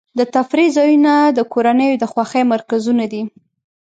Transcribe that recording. د تفریح ځایونه د کورنیو د خوښۍ مرکزونه دي.